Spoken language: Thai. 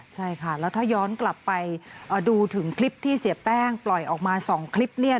ใช่ค่ะแล้วถ้าย้อนกลับไปดูถึงคลิปที่เสียแป้งปล่อยออกมา๒คลิปเนี่ย